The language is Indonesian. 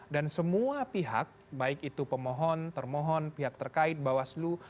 dan semua pihak baik itu pemohon termohon pihak terkait bawaslu